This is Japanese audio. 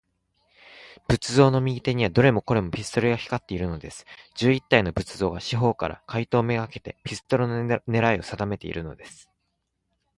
仏像の右手には、どれもこれも、ピストルが光っているのです。十一体の仏像が、四ほうから、怪盗めがけて、ピストルのねらいをさだめているのです。